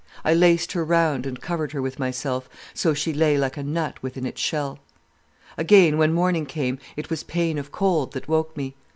I laced her round and covered her with myself, so she lay like a nut within its shell. "Again, when morning came, it was pain of cold that woke me.